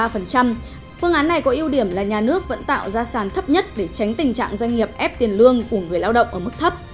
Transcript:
phương án này có ưu điểm là nhà nước vẫn tạo ra sản thấp nhất để tránh tình trạng doanh nghiệp ép tiền lương của người lao động ở mức thấp